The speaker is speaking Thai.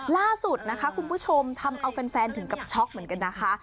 ล่าสุดนะคะคุณผู้ชมทำเอาแฟนถึงกับช็อกเหมือนกันนะคะ